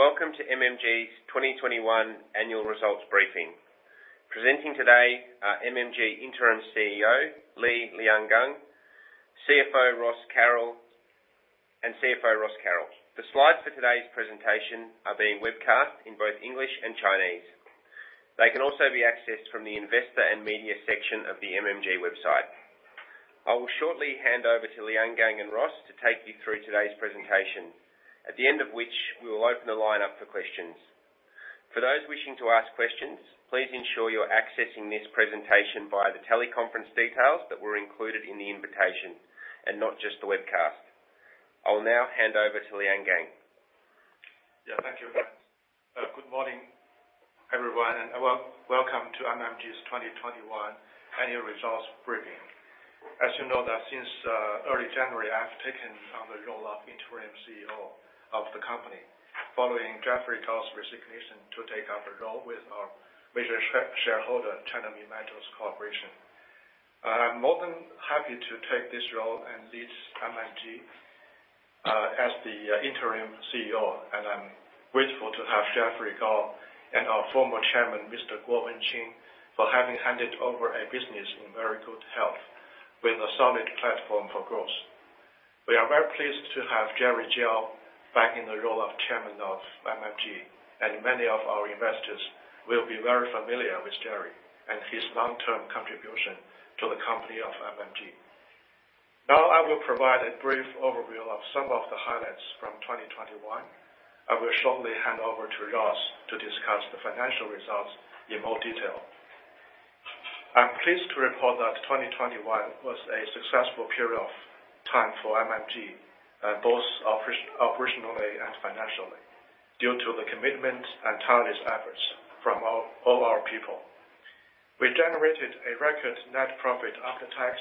Good morning, and welcome to MMG's 2021 annual results briefing. Presenting today are MMG Interim CEO, Li Liangang, and CFO Ross Carroll. The slides for today's presentation are being webcast in both English and Chinese. They can also be accessed from the investor and media section of the MMG website. I will shortly hand over to Liangang and Ross to take you through today's presentation, at the end of which we will open the line up for questions. For those wishing to ask questions, please ensure you are accessing this presentation via the teleconference details that were included in the invitation, and not just the webcast. I will now hand over to Liangang. Yeah, thank you. Good morning, everyone, and welcome to MMG's 2021 annual results briefing. As you know that since early January, I've taken on the role of interim CEO of the company following Geoffrey Gao's resignation to take up a role with our major shareholder, China Minmetals Corporation. I'm more than happy to take this role and lead MMG as the interim CEO, and I'm grateful to have Geoffrey Gao and our former Chairman, Mr. Wenqing Guo, for having handed over a business in very good health with a solid platform for growth. We are very pleased to have Jerry Jiao back in the role of Chairman of MMG, and many of our investors will be very familiar with Jerry and his long-term contribution to the company of MMG. Now I will provide a brief overview of some of the highlights from 2021. I will shortly hand over to Ross to discuss the financial results in more detail. I'm pleased to report that 2021 was a successful period of time for MMG, both operationally and financially due to the commitment and tireless efforts from all our people. We generated a record net profit after tax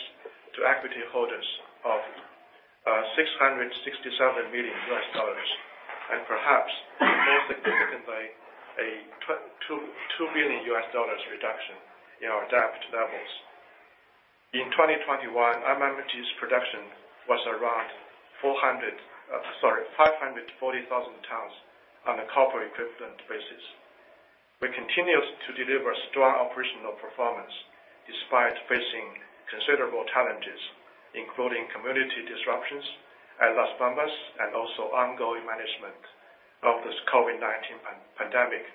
to equity holders of $667 million, and perhaps most significantly, a $2 billion reduction in our debt levels. In 2021, MMG's production was around 540,000 tons on a copper equivalent basis. We continues to deliver strong operational performance despite facing considerable challenges, including community disruptions at Las Bambas and also ongoing management of this COVID-19 pandemic.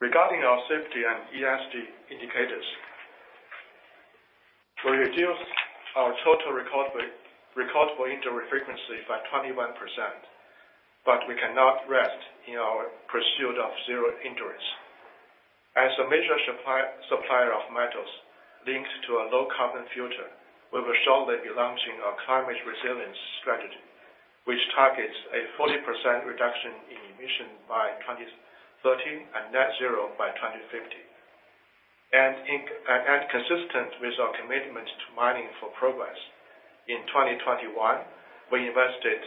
Regarding our safety and ESG indicators, we reduced our total recordable injury frequency by 21%, but we cannot rest in our pursuit of zero injuries. As a major supplier of metals linked to a low carbon future, we will shortly be launching our climate resilience strategy, which targets a 40% reduction in emission by 2030 and net zero by 2050. Consistent with our commitment to mining for progress, in 2021, we invested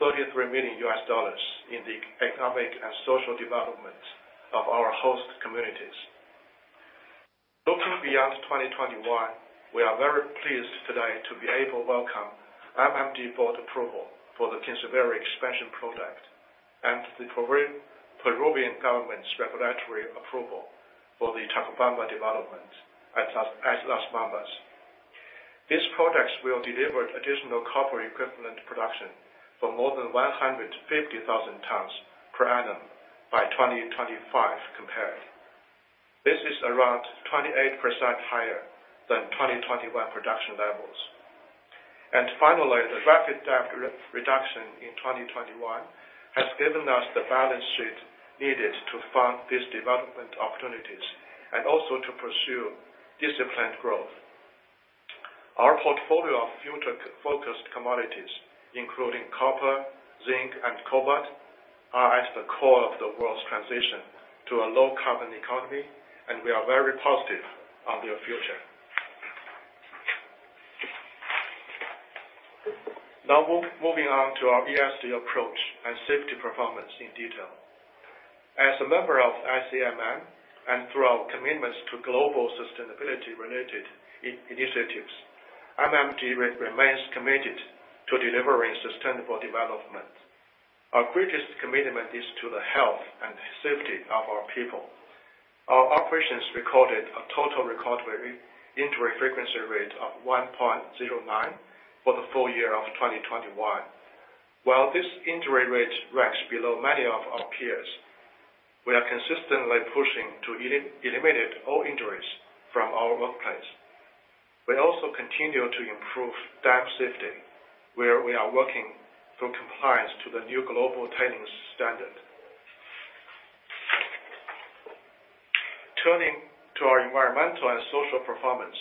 $33 million in the economic and social development of our host communities. Looking beyond 2021, we are very pleased today to be able to welcome MMG board approval for the Kinsevere expansion project and the Peruvian government's regulatory approval for the Chalcobamba development at Las Bambas. These projects will deliver additional copper equivalent production for more than 150,000 tons per annum by 2025 compared. This is around 28% higher than 2021 production levels. Finally, the rapid debt reduction in 2021 has given us the balance sheet needed to fund these development opportunities and also to pursue disciplined growth. Our portfolio of future Cu-focused commodities, including copper, zinc, and cobalt, are at the core of the world's transition to a low carbon economy, and we are very positive on their future. Now moving on to our ESG approach and safety performance in detail. As a member of ICMM and through our commitments to global sustainability-related initiatives, MMG remains committed to delivering sustainable development. Our greatest commitment is to the health and safety of our people. Our operations recorded a total recordable injury frequency rate of 1.09 for the full year of 2021. While this injury rate ranks below many of our peers, we are consistently pushing to eliminate all injuries from our workplace. We also continue to improve dam safety, where we are working through compliance to the new global tailings standard. Turning to our environmental and social performance.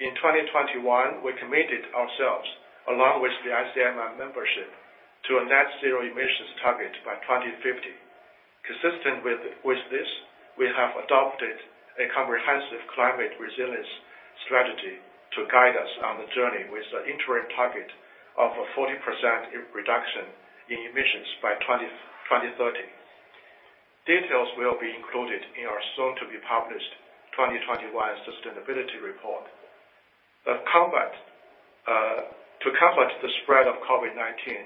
In 2021, we committed ourselves, along with the ICMM membership, to a net zero emissions target by 2050. Consistent with this, we have adopted a comprehensive climate resilience strategy to guide us on the journey with an interim target of a 40% reduction in emissions by 2030. Details will be included in our soon-to-be-published 2021 sustainability report. To combat the spread of COVID-19,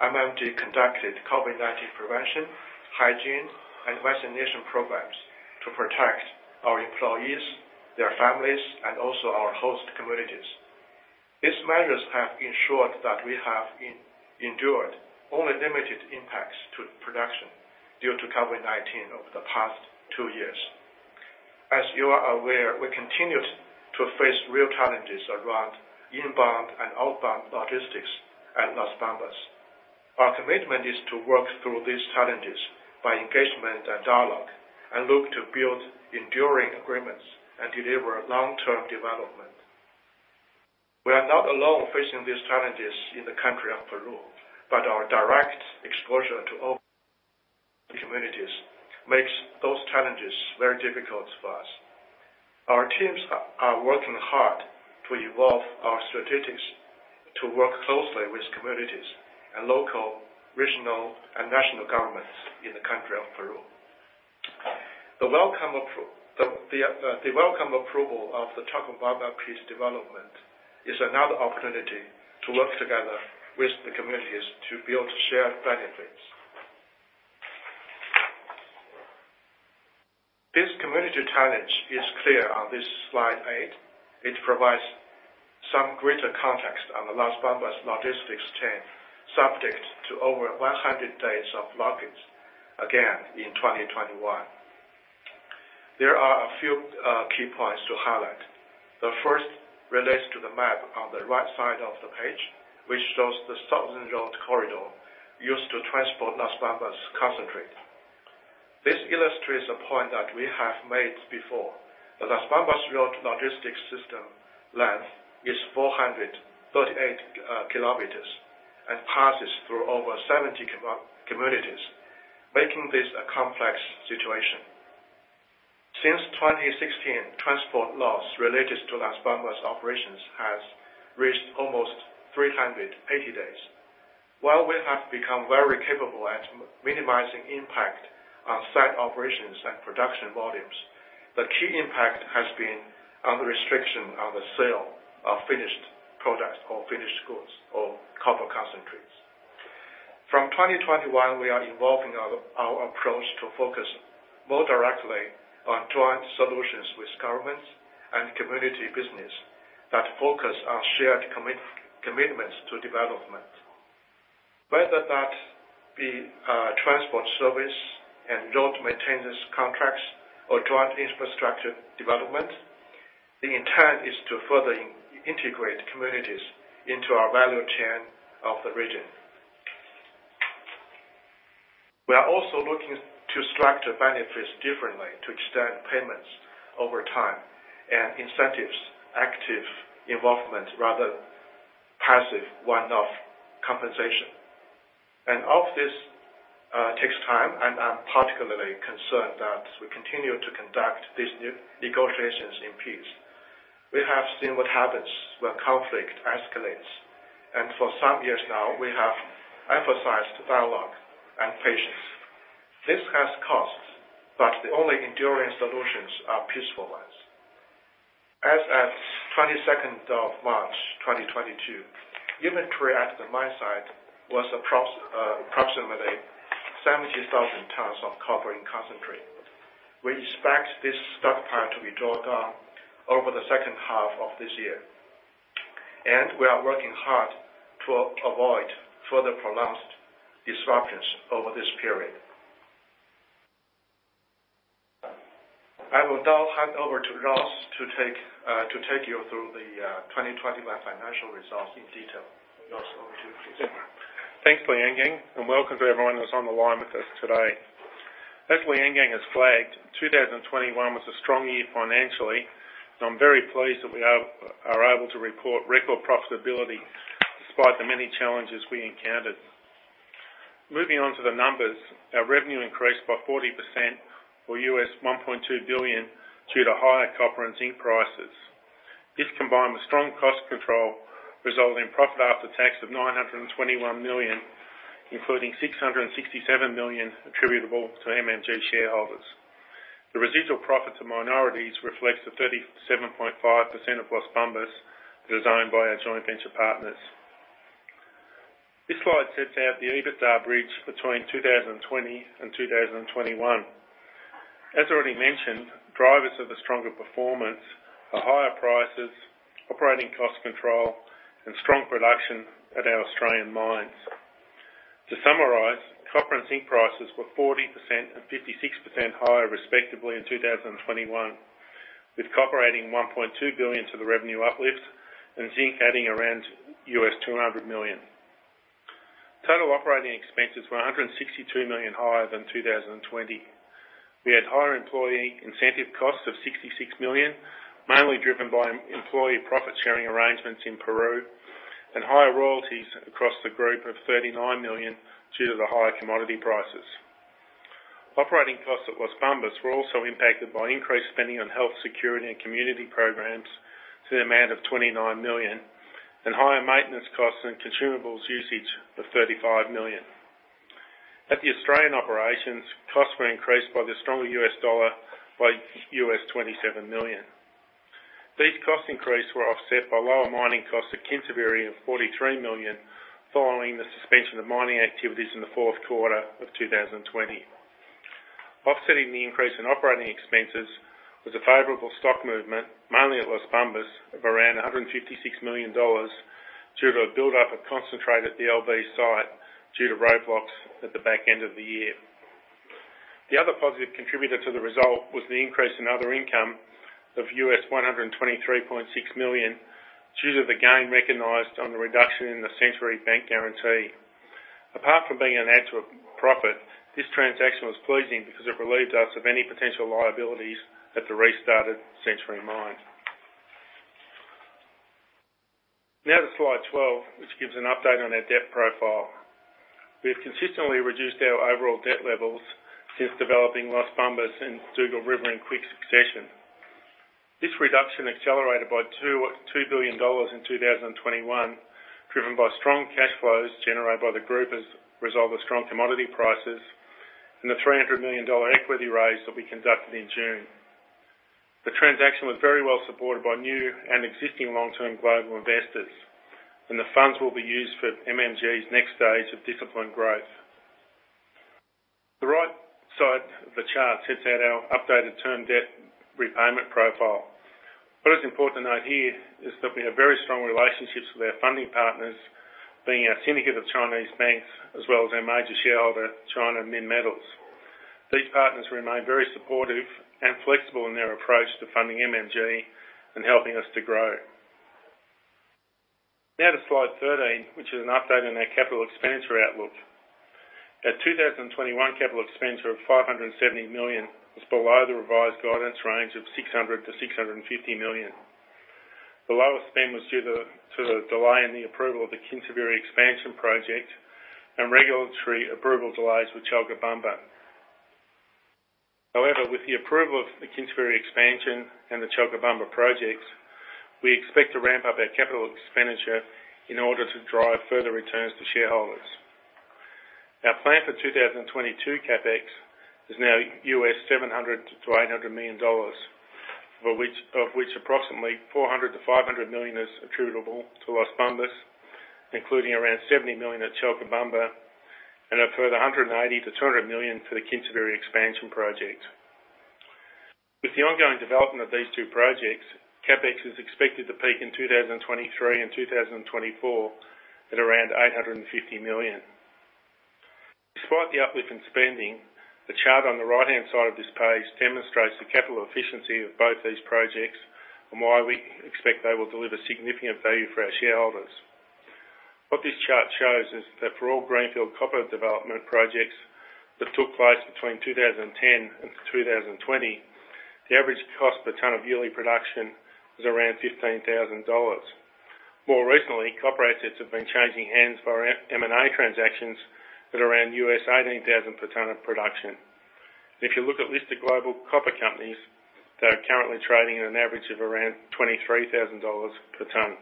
MMG conducted COVID-19 prevention, hygiene, and vaccination programs to protect our employees, their families, and also our host communities. These measures have ensured that we have endured only limited impacts to production due to COVID-19 over the past two years. As you are aware, we continued to face real challenges around inbound and outbound logistics at Las Bambas. Our commitment is to work through these challenges by engagement and dialogue and look to build enduring agreements and deliver long-term development. We are not alone facing these challenges in the country of Peru, but our direct exposure to all the communities makes those challenges very difficult for us. Our teams are working hard to evolve our strategies to work closely with communities and local, regional, and national governments in the country of Peru. The welcome approval of the Chalcobamba East development is another opportunity to work together with the communities to build shared benefits. This community challenge is clear on this slide eight. It provides some greater context on the Las Bambas logistics chain subject to over 100 days of blockades, again, in 2021. There are a few key points to highlight. The first relates to the map on the right side of the page, which shows the southern road corridor used to transport Las Bambas concentrate. This illustrates a point that we have made before. The Las Bambas road logistics system length is 438 km and passes through over 70 communities, making this a complex situation. Since 2016, transport loss related to Las Bambas operations has reached almost 380 days. While we have become very capable at minimizing impact on site operations and production volumes, the key impact has been on the restriction on the sale of finished products or finished goods or copper concentrates. From 2021, we are evolving our approach to focus more directly on joint solutions with governments and community business that focus on shared commitments to development. Whether that be transport service and road maintenance contracts or joint infrastructure development, the intent is to further integrate communities into our value chain of the region. We are also looking to structure benefits differently to extend payments over time and incentives, active involvement rather than passive one-off compensation. All of this takes time, and I'm particularly concerned that we continue to conduct these negotiations in peace. We have seen what happens when conflict escalates, and for some years now we have emphasized dialogue and patience. This has costs, but the only enduring solutions are peaceful ones. As at 22nd March 2022, inventory at the mine site was approximately 70,000 tons of copper and concentrate. We expect this stockpile to be drawn down over the second half of this year. We are working hard to avoid further pronounced disruptions over this period. I will now hand over to Ross to take you through the 2021 financial results in detail. Ross, over to you please. Thanks, Liangang, and welcome to everyone who's on the line with us today. As Liangang has flagged, 2021 was a strong year financially. I'm very pleased that we are able to report record profitability despite the many challenges we encountered. Moving on to the numbers. Our revenue increased by 40% or $1.2 billion due to higher copper and zinc prices. This, combined with strong cost control, resulted in profit after tax of $921 million, including $667 million attributable to MMG shareholders. The residual profit to minorities reflects the 37.5% of Las Bambas that is owned by our joint venture partners. This slide sets out the EBITDA bridge between 2020 and 2021. As already mentioned, drivers of the stronger performance are higher prices, operating cost control, and strong production at our Australian mines. To summarize, copper and zinc prices were 40% and 56% higher respectively in 2021, with copper adding $1.2 billion to the revenue uplift and zinc adding around $200 million. Total operating expenses were $162 million higher than 2020. We had higher employee incentive costs of $66 million, mainly driven by employee profit-sharing arrangements in Peru, and higher royalties across the group of $39 million due to the higher commodity prices. Operating costs at Las Bambas were also impacted by increased spending on health, security, and community programs to the amount of $29 million, higher maintenance costs and consumables usage of $35 million. At the Australian operations, costs were increased by the stronger US dollar by $27 million. These cost increase were offset by lower mining costs at Kinsevere of $43 million, following the suspension of mining activities in the fourth quarter of 2020. Offsetting the increase in operating expenses was a favorable stock movement, mainly at Las Bambas of around $156 million due to a buildup of concentrate at the LB site due to roadblocks at the back end of the year. The other positive contributor to the result was the increase in other income of $123.6 million, due to the gain recognized on the reduction in the Century bank guarantee. Apart from being an add to a profit, this transaction was pleasing because it relieved us of any potential liabilities at the restarted Century Mine. Now to slide 12, which gives an update on our debt profile. We have consistently reduced our overall debt levels since developing Las Bambas and Dugald River in quick succession. This reduction accelerated by $2 billion in 2021, driven by strong cash flows generated by the group as a result of strong commodity prices and the $300 million equity raise that we conducted in June. The transaction was very well supported by new and existing long-term global investors, and the funds will be used for MMG's next stage of disciplined growth. The right side of the chart sets out our updated term debt repayment profile. What is important to note here is that we have very strong relationships with our funding partners, being our syndicate of Chinese banks, as well as our major shareholder, China Minmetals. These partners remain very supportive and flexible in their approach to funding MMG and helping us to grow. Now to slide 13, which is an update on our capital expenditure outlook. Our 2021 capital expenditure of $570 million was below the revised guidance range of $600 million-$650 million. The lower spend was due to the delay in the approval of the Kinsevere expansion project and regulatory approval delays with Chalcobamba. However, with the approval of the Kinsevere expansion and the Chalcobamba projects, we expect to ramp up our capital expenditure in order to drive further returns to shareholders. Our plan for 2022 CapEx is now $700 million-$800 million, of which approximately $400 million-$500 million is attributable to Las Bambas, including around $70 million at Chalcobamba and a further $180 million-$200 million for the Kinsevere expansion project. With the ongoing development of these two projects, CapEx is expected to peak in 2023 and 2024 at around $850 million. Despite the uplift in spending, the chart on the right-hand side of this page demonstrates the capital efficiency of both these projects and why we expect they will deliver significant value for our shareholders. What this chart shows is that for all greenfield copper development projects that took place between 2010 and 2020, the average cost per ton of yearly production was around $15,000. More recently, copper assets have been changing hands via M&A transactions at around $18,000 per ton of production. If you look at listed global copper companies, they are currently trading at an average of around $23,000 per ton.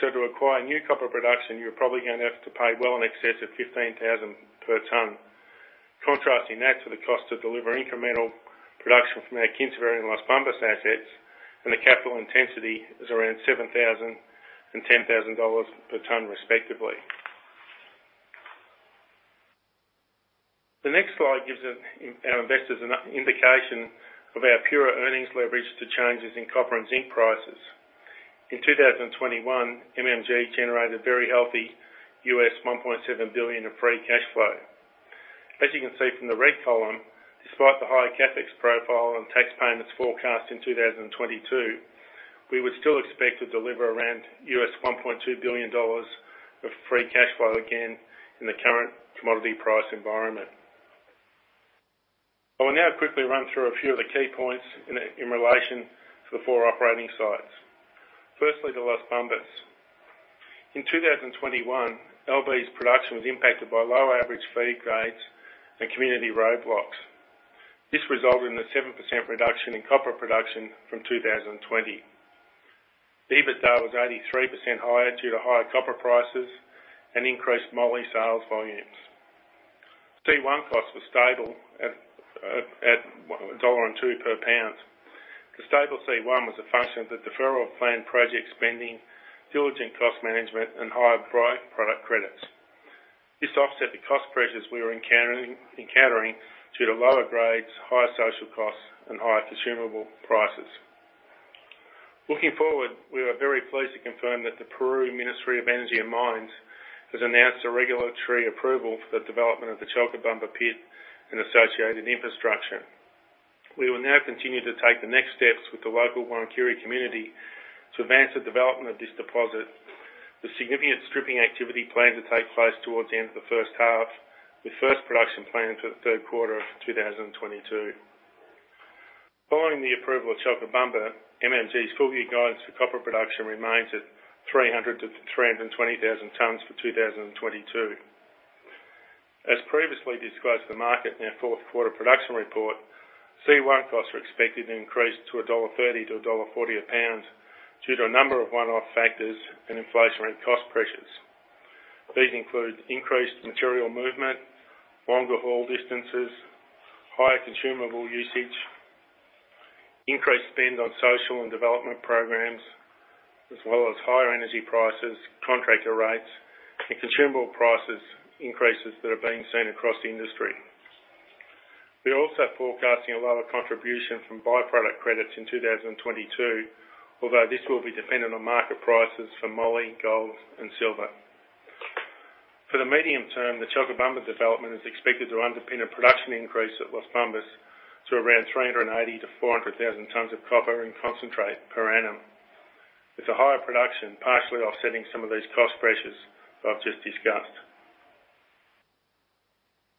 To acquire new copper production, you're probably going to have to pay well in excess of $15,000 per ton. Contrasting that to the cost to deliver incremental production from our Kinsevere and Las Bambas assets, the capital intensity is around $7,000 and $10,000 per ton, respectively. The next slide gives our investors an indication of our pure earnings leverage to changes in copper and zinc prices. In 2021, MMG generated very healthy $1.7 billion of free cash flow. As you can see from the red column, despite the higher CapEx profile and tax payments forecast in 2022, we would still expect to deliver around $1.2 billion of free cash flow again in the current commodity price environment. I will now quickly run through a few of the key points in relation to the four operating sites. Firstly, the Las Bambas. In 2021, LB's production was impacted by lower average feed grades and community roadblocks. This resulted in a 7% reduction in copper production from 2020. EBITDA was 83% higher due to higher copper prices and increased moly sales volumes. C1 costs were stable at $1.02 per pound. The stable C1 was a function of the deferral of planned project spending, diligent cost management, and higher product credits. This offset the cost pressures we were encountering due to lower grades, higher social costs, and higher consumable prices. Looking forward, we are very pleased to confirm that the Peruvian Ministry of Energy and Mines has announced a regulatory approval for the development of the Chalcobamba pit and associated infrastructure. We will now continue to take the next steps with the local Huancuire community to advance the development of this deposit. The significant stripping activity planned to take place towards the end of the first half, with first production planned for the third quarter of 2022. Following the approval of Chalcobamba, MMG's full-year guidance for copper production remains at 300,000 tons-320,000 tons for 2022. As previously disclosed to the market in our fourth quarter production report, C1 costs are expected to increase to $1.30-$1.40 a pound due to a number of one-off factors and inflationary cost pressures. These include increased material movement, longer haul distances, higher consumable usage, increased spend on social and development programs, as well as higher energy prices, contractor rates, and consumable prices increases that have been seen across the industry. We are also forecasting a lower contribution from byproduct credits in 2022, although this will be dependent on market prices for moly, gold, and silver. For the medium term, the Chalcobamba development is expected to underpin a production increase at Las Bambas to around 380,000 tons-400,000 tons of copper and concentrate per annum, with a higher production partially offsetting some of these cost pressures I've just discussed.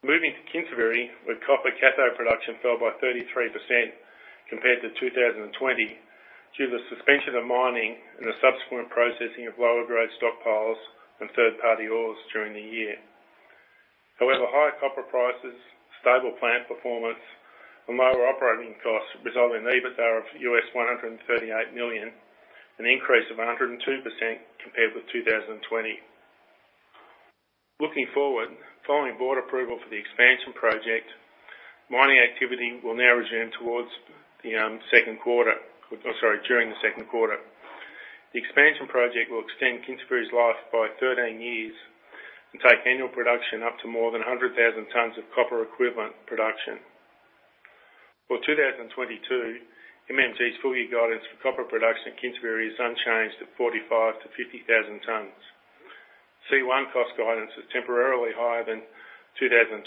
Moving to Kinsevere, where copper cathode production fell by 33% compared to 2020 due to the suspension of mining and the subsequent processing of lower grade stockpiles and third-party ores during the year. However, higher copper prices, stable plant performance, and lower operating costs result in EBITDA of $138 million, an increase of 102% compared with 2020. Looking forward, following board approval for the expansion project, mining activity will now resume during the second quarter. The expansion project will extend Kinsevere's life by 13 years and take annual production up to more than 100,000 tons of copper equivalent production. For 2022, MMG's full-year guidance for copper production at Kinsevere is unchanged at 45,000 tons-50,000 tons. C1 cost guidance is temporarily higher than 2021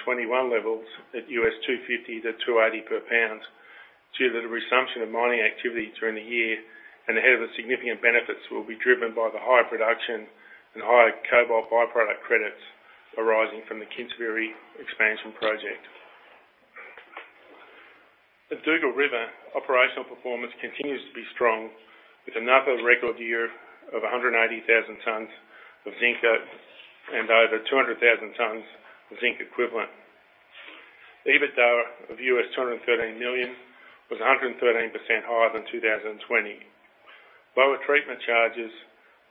levels at $250-$280 per pound due to the resumption of mining activity during the year and ahead of the significant benefits will be driven by the higher production and higher cobalt byproduct credits arising from the Kinsevere expansion project. At Dugald River, operational performance continues to be strong with another record year of 180,000 tons of zinc and over 200,000 tons of zinc equivalent. EBITDA of $213 million was 113% higher than 2020. Lower treatment charges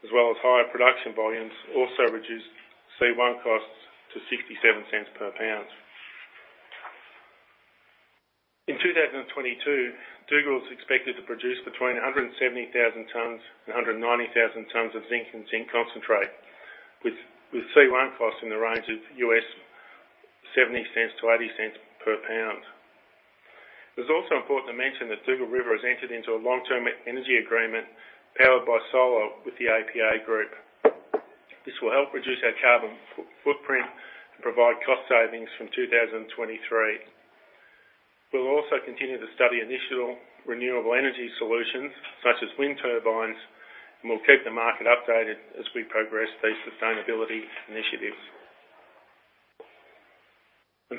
as well as higher production volumes also reduced C1 costs to $0.67 per pound. In 2022, Dugald River is expected to produce between 170,000 tons and 190,000 tons of zinc and zinc concentrate, with C1 costs in the range of $0.70-$0.80 per pound. It's also important to mention that Dugald River has entered into a long-term energy agreement powered by solar with the APA Group. This will help reduce our carbon footprint and provide cost savings from 2023. We'll also continue to study initial renewable energy solutions such as wind turbines, and we'll keep the market updated as we progress these sustainability initiatives.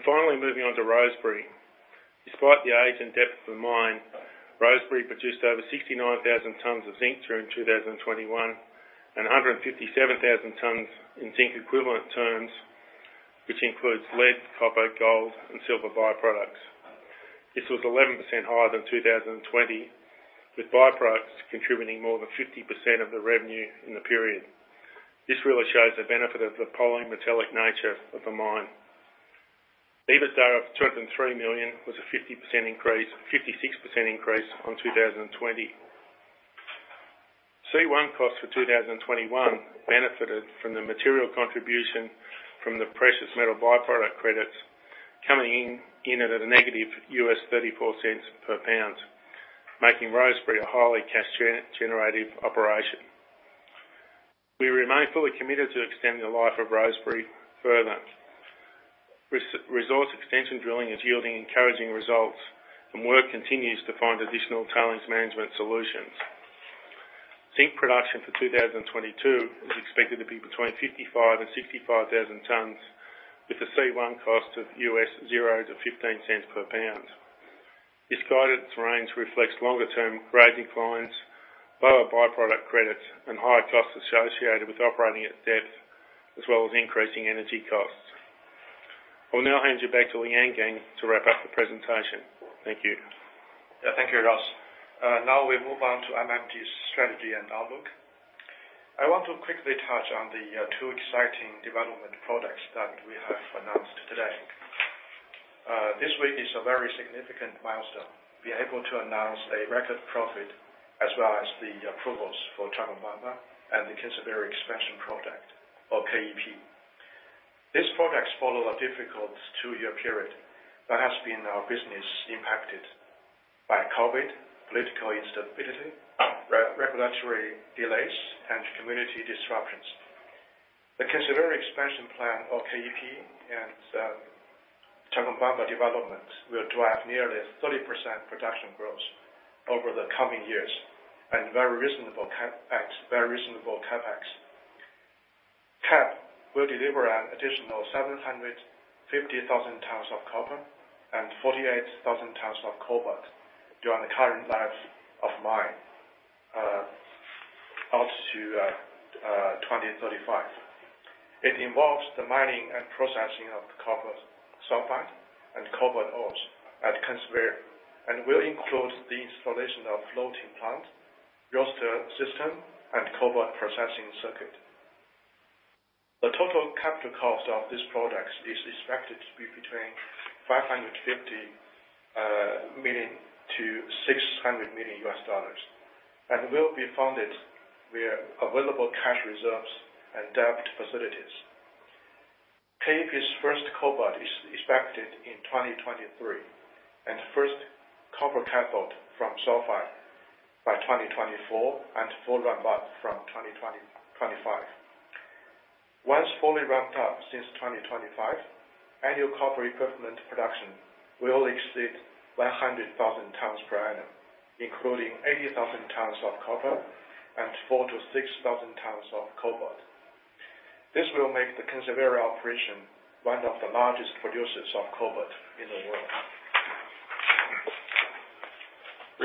Finally, moving on to Rosebery. Despite the age and depth of the mine, Rosebery produced over 69,000 tons of zinc during 2021 and 157,000 tons in zinc equivalent terms, which includes lead, copper, gold, and silver byproducts. This was 11% higher than 2020, with byproducts contributing more than 50% of the revenue in the period. This really shows the benefit of the polymetallic nature of the mine. EBITDA of $203 million was a 50% increase, 56% increase on 2020. C1 costs for 2021 benefited from the material contribution from the precious metal byproduct credits coming in it at a negative $0.34 per pound, making Rosebery a highly cash generative operation. We remain fully committed to extending the life of Rosebery further. Resource extension drilling is yielding encouraging results, and work continues to find additional tailings management solutions. Zinc production for 2022 is expected to be between 55,000 tons and 65,000 tons with a C1 cost of $0-$0.15 per pound. This guidance range reflects longer-term grading declines, lower byproduct credits, and higher costs associated with operating at depth, as well as increasing energy costs. I'll now hand you back to Li Liangang to wrap up the presentation. Thank you. Yeah, thank you, Ross. Now we move on to MMG's strategy and outlook. I want to quickly touch on the two exciting development products that we have announced today. This week is a very significant milestone, being able to announce a record profit as well as the approvals for Chalcobamba and the Kinsevere expansion project or KEP. These projects follow a difficult two-year period that has been our business impacted by COVID, political instability, regulatory delays, and community disruptions. The Kinsevere expansion plan or KEP and Chalcobamba development will drive nearly 30% production growth over the coming years and very reasonable CapEx. KEP will deliver an additional 750,000 tons of copper and 48,000 tons of cobalt during the current lives of mine out to 2035. It involves the mining and processing of copper sulfide and cobalt ores at Kinsevere, and will include the installation of floating plant, roaster system, and cobalt processing circuit. The total capital cost of this project is expected to be between $550 million-$600 million. Will be funded via available cash reserves and debt facilities. KEP's first cobalt is expected in 2023, and first copper cathode from sulfide by 2024, and full ramp-up from 2025. Once fully ramped up since 2025, annual copper equivalent production will exceed 100,000 tons per annum, including 80,000 tons of copper and 4,000 tons-6,000 tons of cobalt. This will make the Kinsevere operation one of the largest producers of cobalt in the world.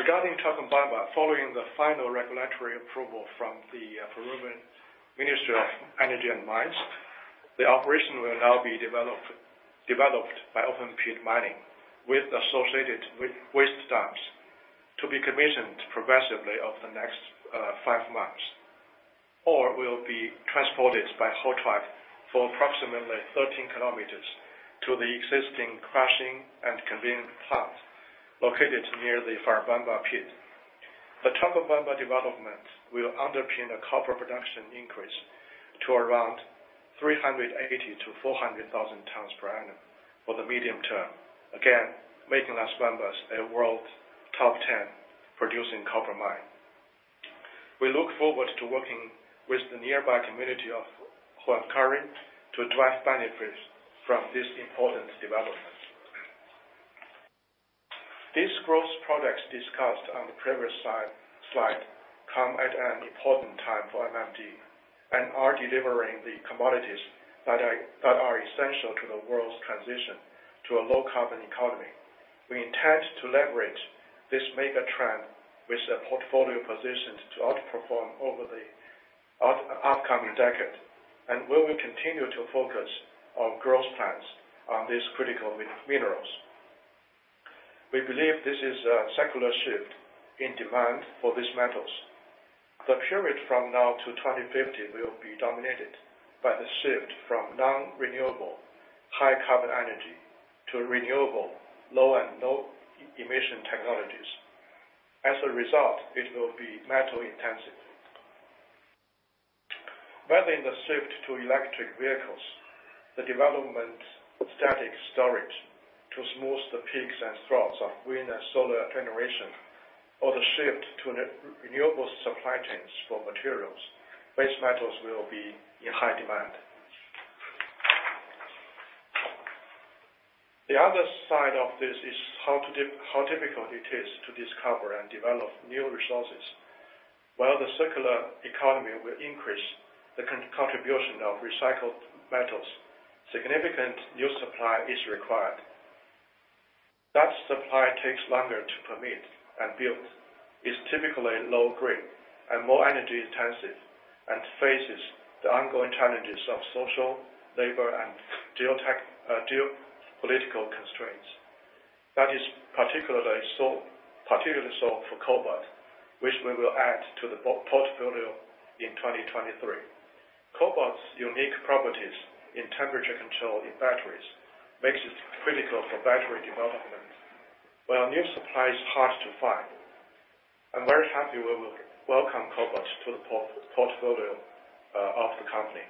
Regarding Chalcobamba, following the final regulatory approval from the Peruvian Ministry of Energy and Mines, the operation will now be developed by open-pit mining with associated waste dumps to be commissioned progressively over the next five months. Ore will be transported by haul truck for approximately 13 kilometers to the existing crushing and conveying plant located near the Ferrobamba pit. The Chalcobamba development will underpin a copper production increase to around 380,000 tons-400,000 tons per annum for the medium term. Again, making Las Bambas a world top ten producing copper mine. We look forward to working with the nearby community of Huancuire to drive benefits from this important development. These growth projects discussed on the previous slide come at an important time for MMG and are delivering the commodities that are essential to the world's transition to a low carbon economy. We intend to leverage this mega-trend with a portfolio positioned to outperform over the upcoming decade, and we will continue to focus our growth plans on these critical minerals. We believe this is a secular shift in demand for these metals. The period from now to 2050 will be dominated by the shift from non-renewable high carbon energy to renewable low and no emission technologies. As a result, it will be metal intensive. Whether in the shift to electric vehicles, the development of static storage to smooth the peaks and troughs of wind and solar generation or the shift to renewable supply chains for materials, base metals will be in high demand. The other side of this is how difficult it is to discover and develop new resources. While the circular economy will increase the contribution of recycled metals, significant new supply is required. That supply takes longer to permit and build, is typically low grade and more energy intensive, and faces the ongoing challenges of social, labor, and geotech, geopolitical constraints. That is particularly so for cobalt, which we will add to the portfolio in 2023. Cobalt's unique properties in temperature control in batteries makes it critical for battery development. While new supply is hard to find, I'm very happy we will welcome cobalt to the portfolio of the company.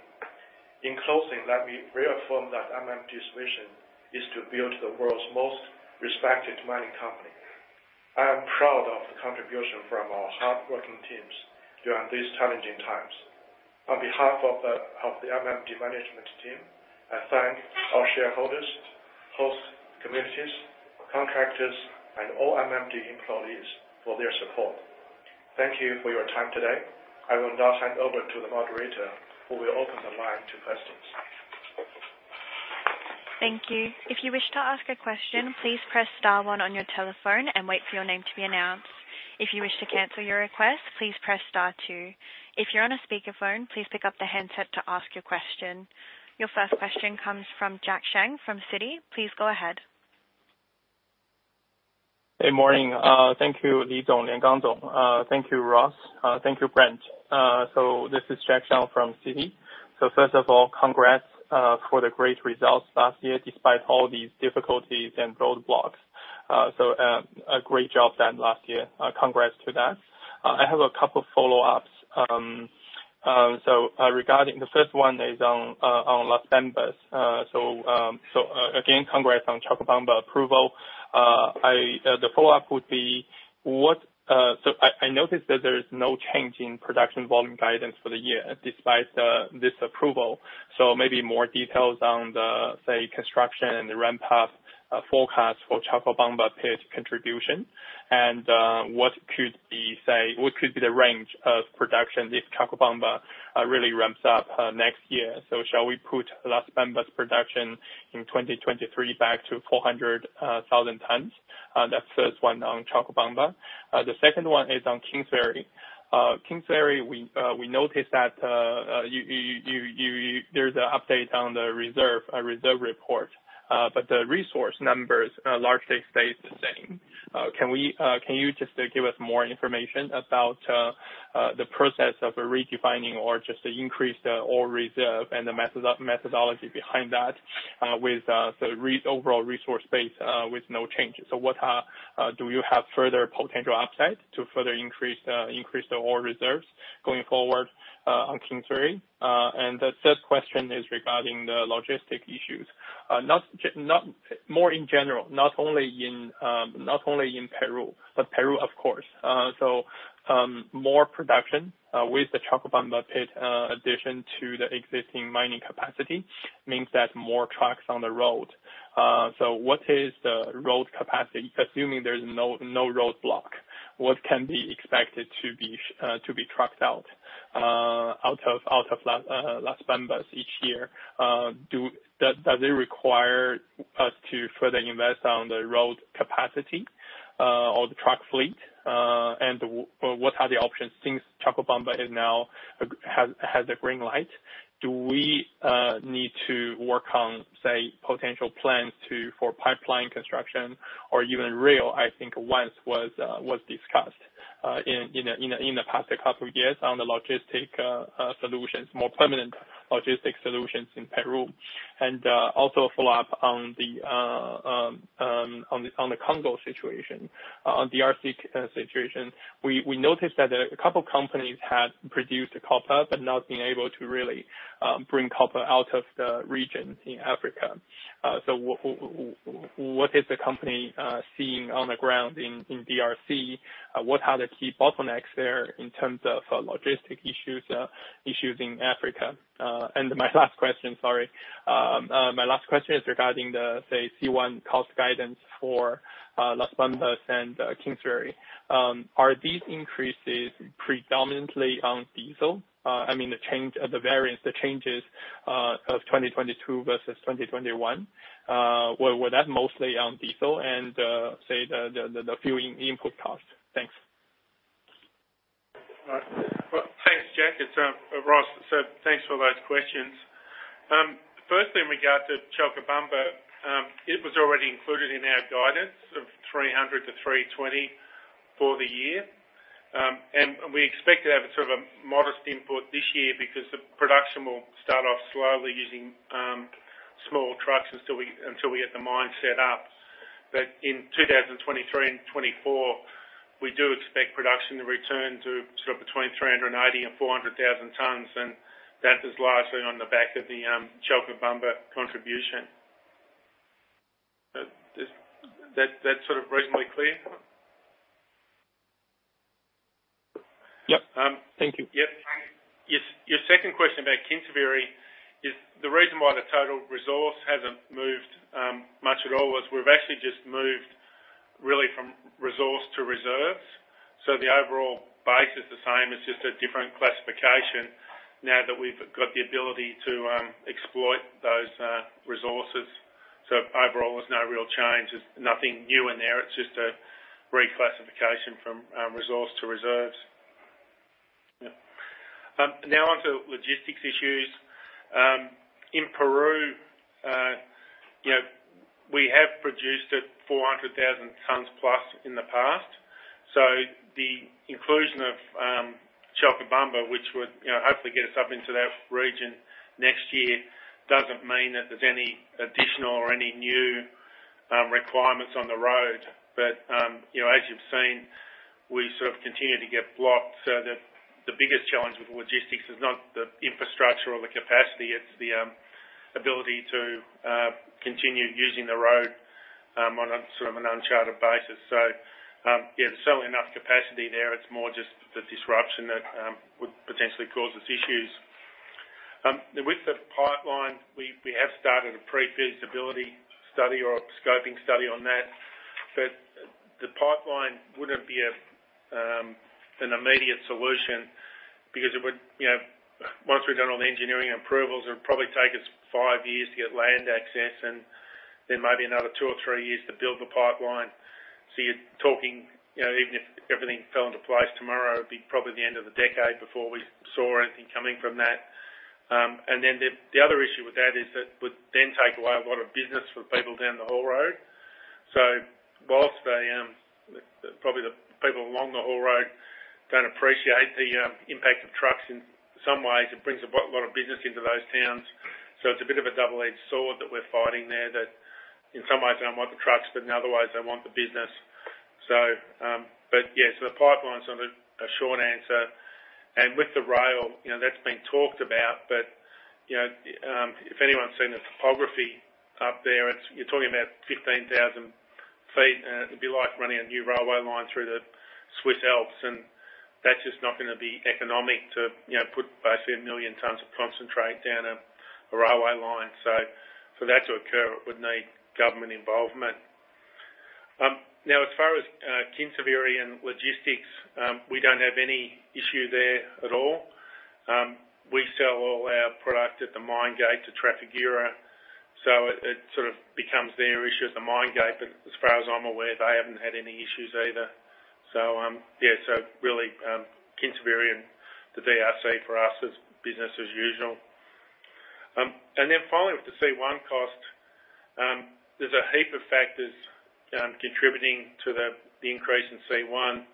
In closing, let me reaffirm that MMG's vision is to build the world's most respected mining company. I am proud of the contribution from our hardworking teams during these challenging times. On behalf of the MMG management team, I thank our shareholders, host communities, contractors, and all MMG employees for their support. Thank you for your time today. I will now hand over to the moderator who will open the line to questions. Your first question comes from Jack Shang from Citi. Please go ahead. Good morning. Thank you, Liangang Li and Gang Dong. Thank you, Ross. Thank you, Brent. This is Jack Shang from Citi. First of all, congrats for the great results last year despite all these difficulties and roadblocks. A great job done last year. Congrats to that. I have a couple follow-ups. Regarding the first one is on Las Bambas. Again, congrats on Chalcobamba approval. I noticed that there is no change in production volume guidance for the year despite this approval. Maybe more details on the, say, construction and the ramp-up forecast for Chalcobamba pit contribution. What could be the range of production if Chalcobamba really ramps up next year? Shall we put Las Bambas production in 2023 back to 400,000 tons? The first one on Chalcobamba. The second one is on Kinsevere. Kinsevere, we noticed that there's an update on the reserve report, but the resource numbers largely stay the same. Can you just give us more information about the process of redefining or just increase the ore reserve and the methodology behind that with the overall resource base with no changes? Do you have further potential upside to further increase the ore reserves going forward on Kinsevere? The third question is regarding the logistic issues. More in general, not only in Peru, but Peru, of course. More production with the Chalcobamba pit addition to the existing mining capacity means that more trucks on the road. What is the road capacity? Assuming there's no roadblock, what can be expected to be trucked out of Las Bambas each year? Does it require us to further invest on the road capacity or the truck fleet? What are the options since Chalcobamba now has a green light? Do we need to work on, say, potential plans for pipeline construction or even rail? I think it was discussed, you know, in the past couple of years on the logistics solutions, more permanent logistics solutions in Peru. Also a follow-up on the Congo situation on DRC situation. We noticed that a couple of companies had produced copper but not been able to really bring copper out of the region in Africa. So what is the company seeing on the ground in DRC? What are the key bottlenecks there in terms of logistics issues in Africa? My last question is regarding the C1 cost guidance for Las Bambas and Kinsevere. Are these increases predominantly on diesel? I mean, the variance, the changes of 2022 versus 2021 were that mostly on diesel and say the fueling input costs? Thanks. Well, thanks, Jack. It's Ross. Thanks for those questions. First, in regard to Chalcobamba, it was already included in our guidance of 300-320 for the year. We expect to have a sort of a modest input this year because the production will start off slowly using small trucks until we get the mine set up. In 2023 and 2024, we do expect production to return to sort of between 380,000 tons-400,000 tons, and that is largely on the back of the Chalcobamba contribution. Is that sort of reasonably clear? Yep. Um. Thank you. Yep. Your second question about Kinsevere is the reason why the total resource hasn't moved much at all was we've actually just moved really from resource to reserves. So the overall base is the same. It's just a different classification now that we've got the ability to exploit those resources. So overall, there's no real change. There's nothing new in there. It's just a reclassification from resource to reserves. Yeah. Now on to logistics issues. In Peru, you know, we have produced at 400,000 tons plus in the past. So the inclusion of Chalcobamba, which would, you know, hopefully get us up into that region next year, doesn't mean that there's any additional or any new requirements on the road, but, you know, as you've seen, we sort of continue to get blocked. The biggest challenge with logistics is not the infrastructure or the capacity, it's the ability to continue using the road on a sort of an uninterrupted basis. Yeah, there's certainly enough capacity there. It's more just the disruption that would potentially cause us issues. With the pipeline, we have started a pre-feasibility study or scoping study on that. The pipeline wouldn't be an immediate solution because it would, you know, once we've done all the engineering approvals, it would probably take us five years to get land access, and then maybe another two or three years to build the pipeline. You're talking, you know, even if everything fell into place tomorrow, it'd be probably the end of the decade before we saw anything coming from that. The other issue with that is it would then take away a lot of business for people down the haul road. While they probably, the people along the haul road don't appreciate the impact of trucks, in some ways, it brings a lot of business into those towns. It's a bit of a double-edged sword that we're fighting there that, in some ways they don't want the trucks, but in other ways, they want the business. Yeah, the pipeline's sort of a short answer. With the rail, you know, that's been talked about. You know, if anyone's seen the topography up there, it's. You're talking about 15,000 ft. It'd be like running a new railway line through the Swiss Alps, and that's just not gonna be economic to, you know, put basically 1 million tons of concentrate down a railway line. For that to occur, it would need government involvement. Now as far as Kinsevere and logistics, we don't have any issue there at all. We sell all our product at the mine gate to Trafigura, so it sort of becomes their issue at the mine gate. As far as I'm aware, they haven't had any issues either. Yeah, so really, Kinsevere and the DRC for us is business as usual. Then finally with the C1 cost, there's a heap of factors contributing to the increase in C1.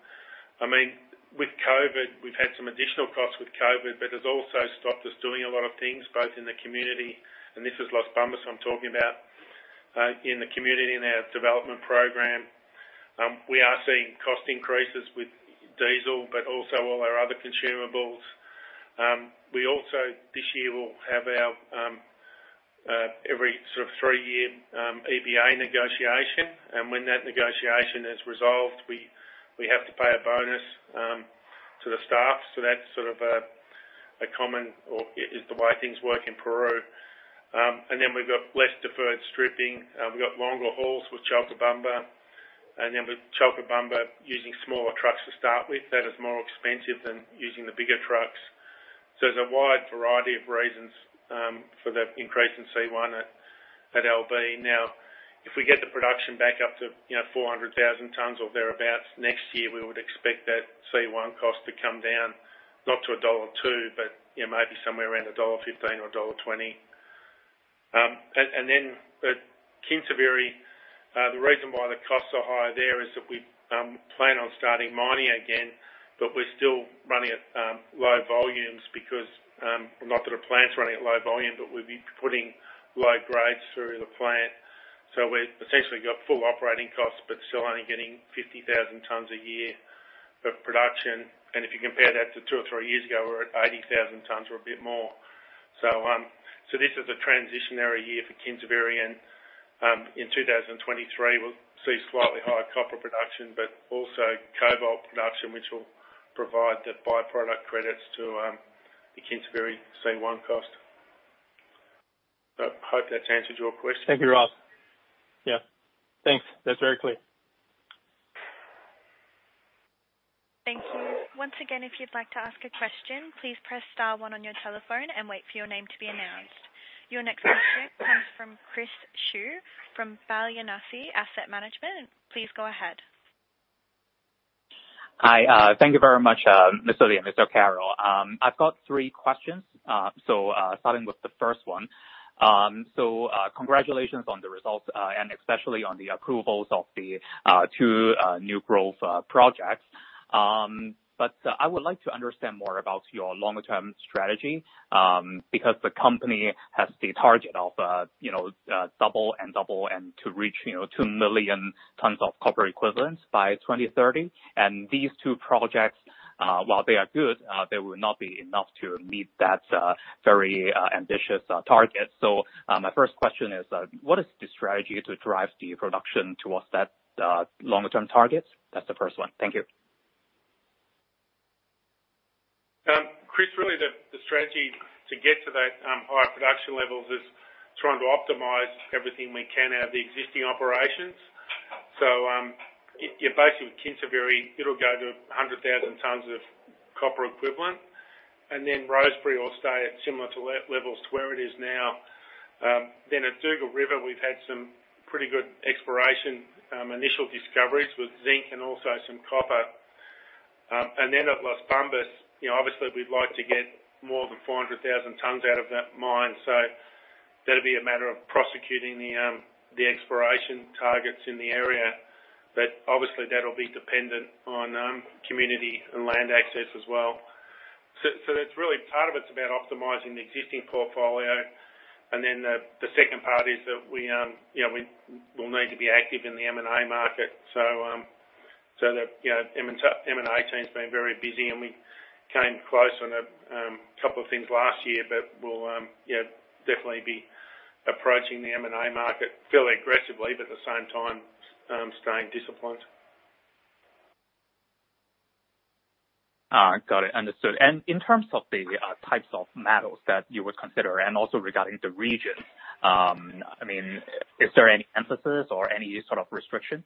I mean, with COVID, we've had some additional costs with COVID, but it's also stopped us doing a lot of things both in the community, and this is Las Bambas I'm talking about, in the community and our development program. We are seeing cost increases with diesel, but also all our other consumables. We also, this year, will have our, every sort of three-year, EBA negotiation. When that negotiation is resolved, we have to pay a bonus to the staff. That's sort of a common or is the way things work in Peru. We've got less deferred stripping. We've got longer hauls with Chalcobamba. With Chalcobamba, using smaller trucks to start with, that is more expensive than using the bigger trucks. There's a wide variety of reasons for the increase in C1 at LB. Now, if we get the production back up to, you know, 400,000 tons or thereabout next year, we would expect that C1 cost to come down, not to $1.02, but, you know, maybe somewhere around $1.15 or $1.20, and then at Kinsevere, the reason why the costs are higher there is that we plan on starting mining again, but we're still running at low volumes because not that the plant's running at low volume, but we've been putting low grades through the plant. We've essentially got full operating costs, but still only getting 50,000 tons a year of production. If you compare that to two or three years ago, we were at 80,000 tons or a bit more. This is a transitional year for Kinsevere. In 2023, we'll see slightly higher copper production, but also cobalt production, which will provide the by-product credits to the Kinsevere C1 cost. Hope that's answered your question. Thank you, Ross. Yeah. Thanks. That's very clear. Thank you. Once again, if you'd like to ask a question, please press star one on your telephone and wait for your name to be announced. Your next question comes from Chris Shiu from Balyasny Asset Management. Please go ahead. Hi. Thank you very much, Mr. Li and Mr. Carroll. I've got three questions. Starting with the first one, congratulations on the results, and especially on the approvals of the two new growth projects. I would like to understand more about your longer-term strategy, because the company has the target of, you know, double and double to reach, you know, 2 million tons of copper equivalents by 2030. These two projects, while they are good, they will not be enough to meet that very ambitious target. My first question is, what is the strategy to drive the production towards that longer-term target? That's the first one. Thank you. Chris, really the strategy to get to that higher production levels is trying to optimize everything we can out of the existing operations. Basically with Kinsevere, it'll go to 100,000 tons of copper equivalent. Rosebery will stay at similar levels to where it is now. At Dugald River, we've had some pretty good exploration, initial discoveries with zinc and also some copper. At Las Bambas, you know, obviously we'd like to get more than 400,000 tons out of that mine. That'll be a matter of prosecuting the exploration targets in the area. Obviously that'll be dependent on community and land access as well. It's really part of it about optimizing the existing portfolio. The second part is that we, you know, we'll need to be active in the M&A market. The M&A team's been very busy, and we came close on a couple of things last year. We'll, you know, definitely be approaching the M&A market fairly aggressively, but at the same time, staying disciplined. Got it. Understood. In terms of the types of metals that you would consider and also regarding the region, I mean, is there any emphasis or any sort of restriction?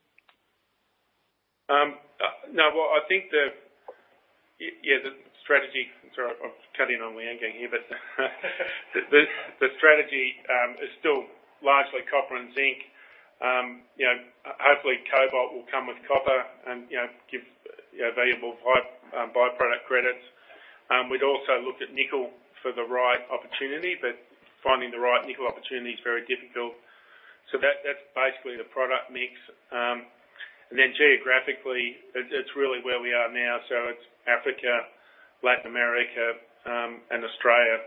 No. Well, I think yeah, the strategy. Sorry, I'm cutting in on Liangang here. The strategy is still largely copper and zinc. You know, hopefully cobalt will come with copper and, you know, give valuable by-product credits. We'd also look at nickel for the right opportunity, but finding the right nickel opportunity is very difficult. That's basically the product mix. Then geographically, it's really where we are now. It's Africa, Latin America, and Australia.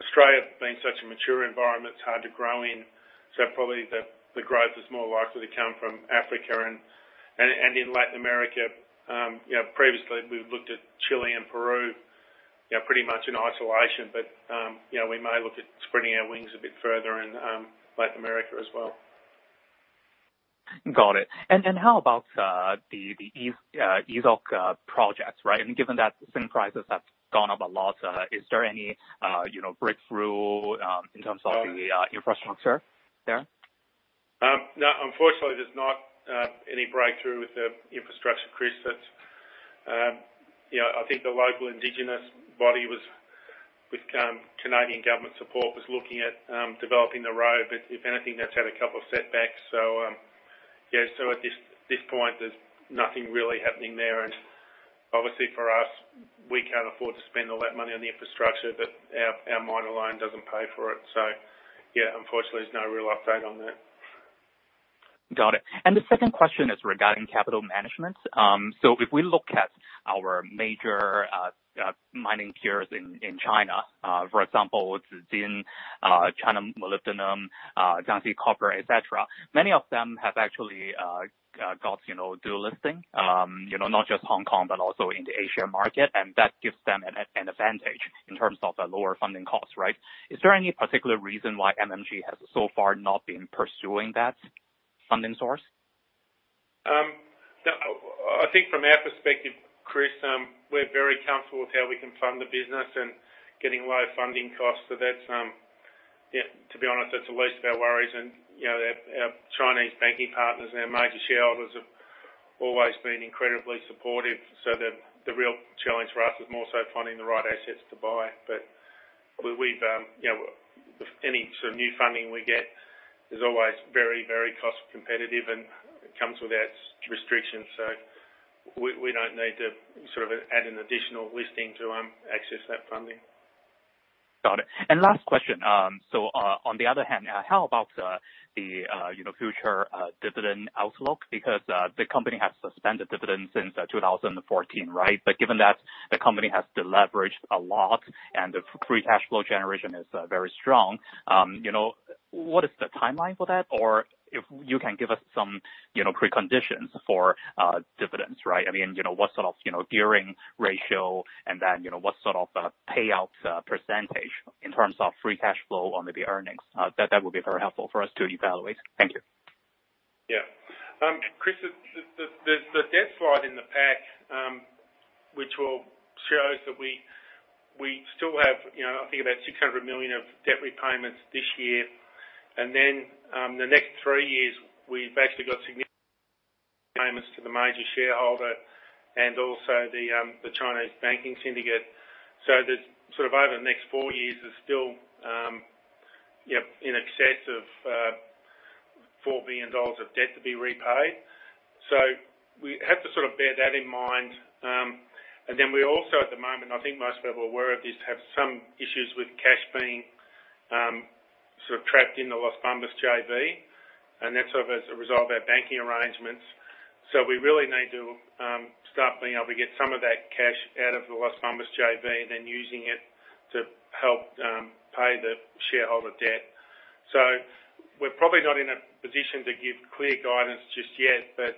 Australia being such a mature environment, it's hard to grow in. Probably the growth is more likely to come from Africa and in Latin America. You know, previously, we've looked at Chile and Peru, you know, pretty much in isolation. You know, we may look at spreading our wings a bit further in Latin America as well. Got it. How about the Izok projects, right? Given that zinc prices have gone up a lot, is there any, you know, breakthrough in terms of the infrastructure there? No, unfortunately there's not any breakthrough with the infrastructure, Chris. That, you know, I think the local indigenous body was, with Canadian government support, looking at developing the road. If anything, that's had a couple of setbacks. Yeah, at this point, there's nothing really happening there. Obviously for us, we can't afford to spend all that money on the infrastructure that our mine alone doesn't pay for it. Yeah, unfortunately, there's no real update on that. Got it. The second question is regarding capital management. If we look at our major mining peers in China, for example, Zijin Mining, China Molybdenum, Jiangxi Copper, et cetera, many of them have actually got, you know, dual listing. You know, not just Hong Kong, but also in the Asia market, and that gives them an advantage in terms of the lower funding costs, right? Is there any particular reason why MMG has so far not been pursuing that funding source? No. I think from our perspective, Chris, we're very comfortable with how we can fund the business and getting low funding costs. That's, yeah, to be honest, that's the least of our worries. You know, our Chinese banking partners and our major shareholders have always been incredibly supportive. The real challenge for us is more so finding the right assets to buy. We've, you know, any sort of new funding we get is always very cost competitive, and it comes with its restrictions. We don't need to sort of add an additional listing to access that funding. Got it. Last question. On the other hand, how about the future dividend outlook? Because the company has suspended dividends since 2014, right? Given that the company has deleveraged a lot and the free cash flow generation is very strong, you know, what is the timeline for that? Or if you can give us some, you know, preconditions for dividends, right? I mean, you know, what sort of gearing ratio and then, you know, what sort of payouts percentage in terms of free cash flow or maybe earnings. That would be very helpful for us to evaluate. Thank you. Chris, the debt slide in the pack, which shows that we still have, you know, I think about $600 million of debt repayments this year. The next three years, we've basically got significant payments to the major shareholder and also the Chinese banking syndicate. There's sort of over the next four years still, you know, in excess of $4 billion of debt to be repaid. We have to sort of bear that in mind. We also at the moment, I think most people are aware of this, have some issues with cash being sort of trapped in the Las Bambas JV, and that's sort of as a result of our banking arrangements. We really need to start being able to get some of that cash out of the Las Bambas JV and then using it to help pay the shareholder debt. We're probably not in a position to give clear guidance just yet, but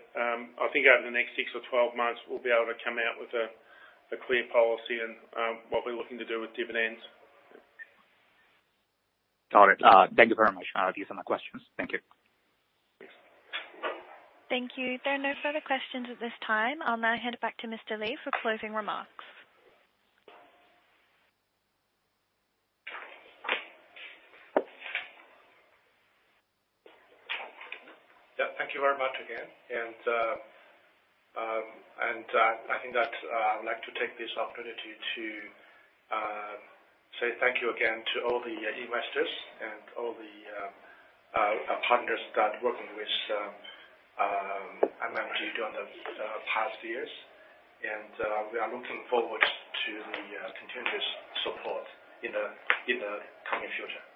I think over the next six or 12 months, we'll be able to come out with a clear policy and what we're looking to do with dividends. Got it. Thank you very much. These are my questions. Thank you. Thanks. Thank you. There are no further questions at this time. I'll now hand it back to Mr. Li for closing remarks. Yeah. Thank you very much again. I think that I would like to take this opportunity to say thank you again to all the investors and all the partners that working with MMG during the past years. We are looking forward to the continuous support in the coming future.